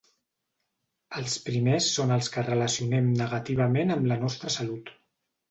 Els primers són els que relacionem negativament amb la nostra salut.